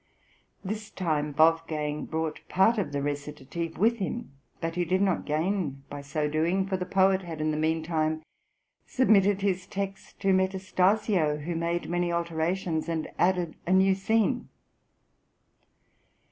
This time Wolfgang brought part of the recitative with him, but he did not gain by so doing; for the poet had in the meantime submitted his text to Metastasio, who made many alterations, and added a new scene.